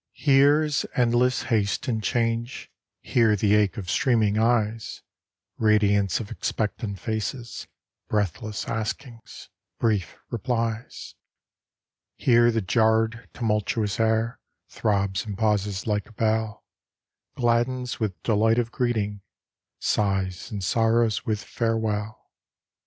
Here is endless haste and change, Here the ache of streaming eyes, Radiance of expectant faces, Breathless askings, brief replies. Here the jarred, tumultuous air Throbs and pauses like a bell, Gladdens with delight of greeting, Sighs and sorrows with farewell.